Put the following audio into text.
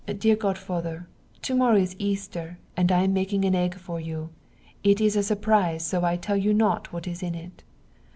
Dear godfather, tomorrow is Easter and I am making an egg for you. It is a surprise so I tell you not what is in it.